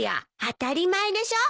当たり前でしょ。